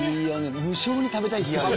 無性に食べたい日がある。